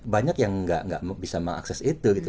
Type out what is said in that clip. banyak yang nggak bisa mengakses itu gitu